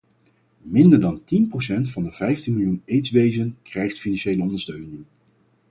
Minder dan tien procent van de vijftien miljoen aids-wezen krijgt financiële ondersteuning.